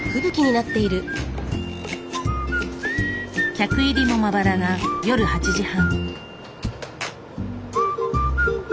客入りもまばらな夜８時半。